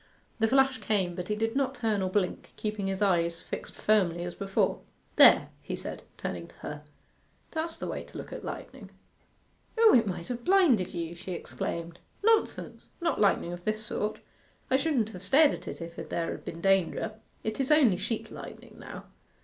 The flash came; but he did not turn or blink, keeping his eyes fixed as firmly as before. 'There,' he said, turning to her, 'that's the way to look at lightning.' 'O, it might have blinded you!' she exclaimed. 'Nonsense not lightning of this sort I shouldn't have stared at it if there had been danger. It is only sheet lightning now.